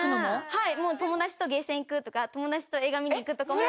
はい、もう、友達とゲーセン行くとか、友達と映画見に行くとかも。